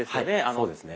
そうですね。